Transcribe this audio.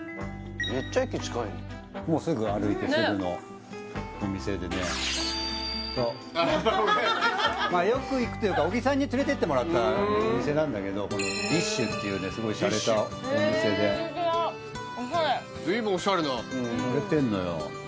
めっちゃ駅近いねすぐ歩いてすぐのお店でねまあよく行くというか小木さんに連れてってもらったお店なんだけどｄｉｓｈっていうねすごいシャレたお店でオシャレずいぶんオシャレなうんシャレてんのよ